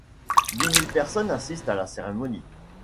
Dix mille personnes assistent à la cérémonie.